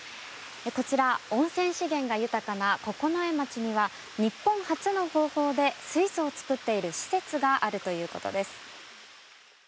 こちら温泉資源が豊かな九重町には日本初の方法で水素を作っている施設があるということです。